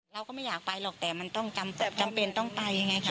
เราก็ไม่อยากไปหรอกแต่มันต้องจำเป็นต้องไปยังไงค่ะ